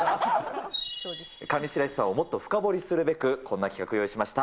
上白石さんをもっと深掘りするべく、こんな企画用意しました。